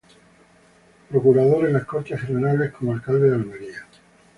Procurador en las Cortes Españolas como alcalde de Almería.